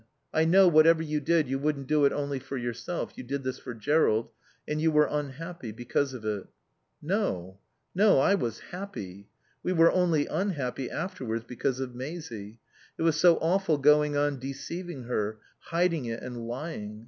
I know, whatever you did, you wouldn't do it only for yourself. You did this for Jerrold. And you were unhappy because of it." "No. No. I was happy. We were only unhappy afterwards because of Maisie. It was so awful going on deceiving her, hiding it and lying.